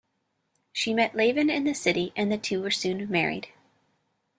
She met Laven in the city and the two were soon married.